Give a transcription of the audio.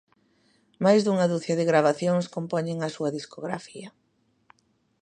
Máis dunha ducia de gravacións compoñen a súa discografía.